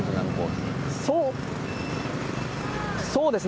そうですね